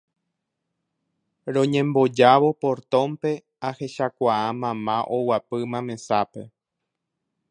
Roñembojávo portónpe ahechakuaa mama oguapýma mesápe